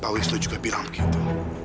pak wisnu juga bilang gitu